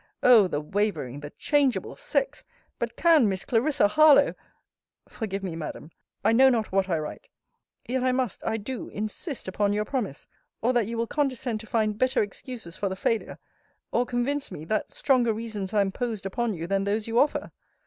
Oh! the wavering, the changeable sex! But can Miss Clarissa Harlowe Forgive me, Madam! I know not what I write! Yet, I must, I do, insist upon your promise or that you will condescend to find better excuses for the failure or convince me, that stronger reasons are imposed upon you, than those you offer.